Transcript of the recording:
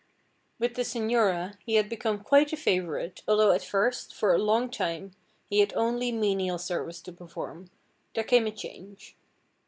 With the señora he had become quite a favorite, although at first, for a long time, he had only menial service to perform, there came a change.